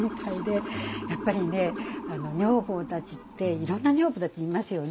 やっぱりね女房たちっていろんな女房たちいますよね。